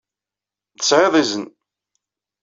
Tesɛiḍ izen.